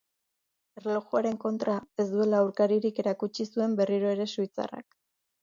Erlojuaren kontra ez duela aurkaririk erakutsi zuen berriro ere suitzarrak.